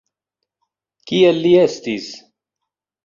Kiel li estis?